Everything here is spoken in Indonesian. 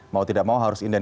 mau tidak mau harus independen